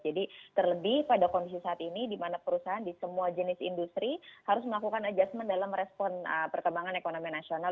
jadi terlebih pada kondisi saat ini di mana perusahaan di semua jenis industri harus melakukan adjustment dalam respon perkembangan ekonomi nasional